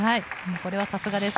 これはさすがです。